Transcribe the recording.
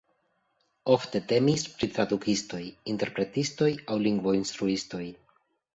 Ofte temis pri tradukistoj, interpretistoj aŭ lingvo-instruistoj.